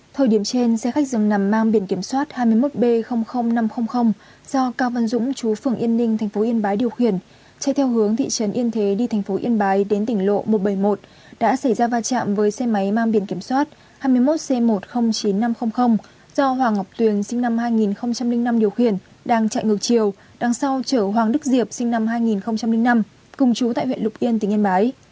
thời điểm trên xe khách dường nằm mang biển kiểm soát hai mươi một b năm trăm linh do cao văn dũng chú phường yên ninh tp yên bái điều khiển chạy theo hướng thị trấn yên thế đi tp yên bái đến tỉnh lộ một trăm bảy mươi một đã xảy ra va chạm với xe máy mang biển kiểm soát hai mươi một c một trăm linh chín nghìn năm trăm linh do hoàng ngọc tuyền sinh năm hai nghìn năm điều khiển đang chạy ngược chiều đằng sau chở hoàng đức diệp sinh năm hai nghìn năm cùng chú tại huyện lục yên tỉnh yên bái